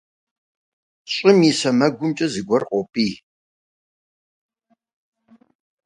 Слева из земли что-то торчит.